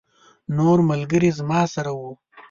نور ملګري زما سره وو.